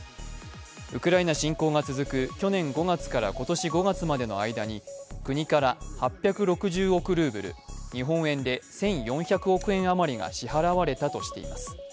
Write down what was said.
ウクライナ侵攻が続く去年５月から今年５月までの間に国から８６０億ルーブル＝日本円で１４００億円あまりが支払われたとしています。